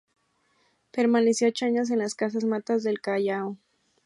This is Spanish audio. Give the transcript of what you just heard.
Permaneció ocho años en las Casas Matas de El Callao.